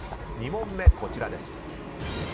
２問目はこちらです。